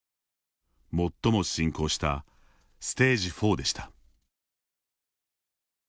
最も進行したステージ４でした。